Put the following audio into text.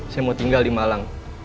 saya mau tinggal di malang